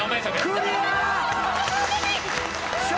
クリア。笑